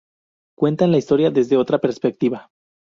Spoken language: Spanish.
Cuentan la historia desde otra perspectiva.